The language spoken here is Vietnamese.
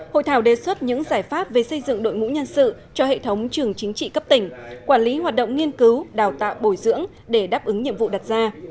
hội thảo đề xuất những giải pháp về xây dựng đội ngũ nhân sự cho hệ thống trường chính trị cấp tỉnh quản lý hoạt động nghiên cứu đào tạo bồi dưỡng để đáp ứng nhiệm vụ đặt ra